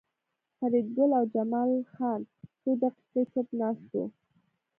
فریدګل او جمال خان څو دقیقې چوپ ناست وو